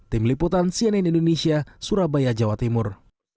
tim liputan cnn indonesia surabaya jawa timur